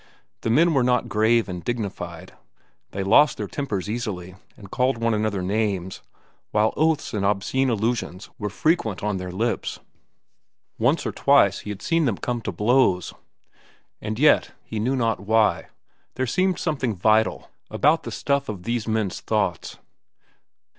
The men were not grave and dignified. They lost their tempers easily and called one another names, while oaths and obscene allusions were frequent on their lips. Once or twice he had seen them come to blows. And yet, he knew not why, there seemed something vital about the stuff of these men's thoughts.